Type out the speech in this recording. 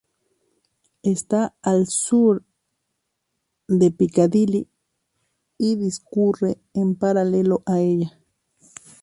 Está al sur de Piccadilly y discurre en paralelo a ella.